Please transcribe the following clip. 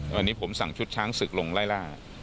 วันนี้ผมสั่งชุดช้างศึกลงไล่ล่า